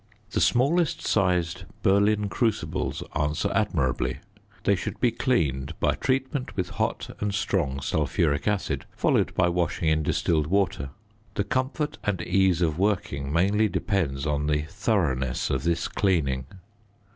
The smallest sized Berlin crucibles answer admirably. They should be cleaned by treatment with hot and strong sulphuric acid, followed by washing in distilled water; the comfort and ease of working mainly depends on the thoroughness of this cleaning.